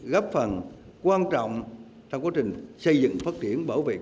gấp phần quan trọng trong quá trình xây dựng phát triển bảo vệ tổ quốc